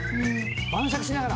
晩酌しながら！